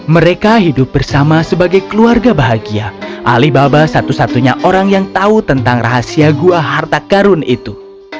mereka hidup bersama sebagai keluarga bahagia alibaba satu satunya orang yang tahu tentang rahasia gua harta karun itu